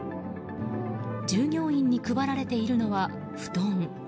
従業員に配られているのは布団。